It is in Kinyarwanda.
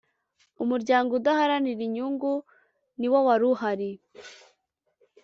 umuryango udaharanira inyungu niwowaruhari`